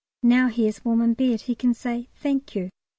Now he is warm in bed, he can say "Thank you."